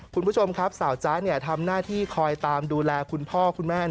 คุณผู้ชมครับสาวจ๊ะทำหน้าที่คอยตามดูแลคุณพ่อคุณแม่